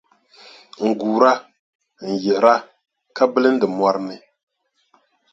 N-guura, n-yiɣira ka bilindi mɔri ni.